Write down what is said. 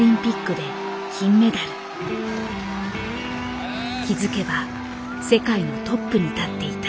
２２歳で気付けば世界のトップに立っていた。